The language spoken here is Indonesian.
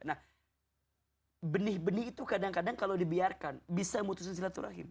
nah benih benih itu kadang kadang kalau dibiarkan bisa memutuskan silaturahim